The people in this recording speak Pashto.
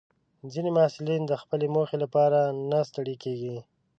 ځینې محصلین د خپلې موخې لپاره نه ستړي کېږي.